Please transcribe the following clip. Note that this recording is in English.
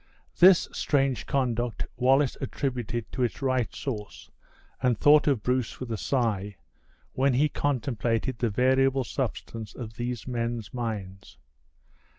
This strange conduct Wallace attributed to its right source, and thought of Bruce with a sigh, when he contemplated the variable substance of these men's minds.